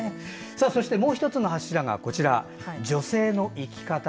もう１つの柱が女性の生き方。